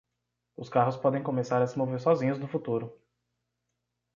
Os carros podem começar a se mover sozinhos no futuro.